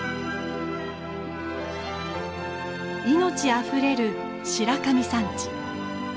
命あふれる白神山地。